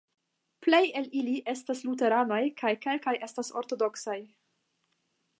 Plej el ili estas luteranaj kaj kelkaj estas ortodoksaj.